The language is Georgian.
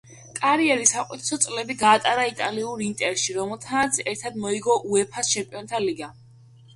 კარიერის საუკეთესო წლები გაატარა იტალიურ „ინტერში“, რომელთან ერთადაც მოიგო უეფა-ს ჩემპიონთა ლიგა.